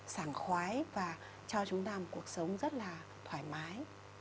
sảng khoái và cho chúng ta một cuộc sống rất là thoải mái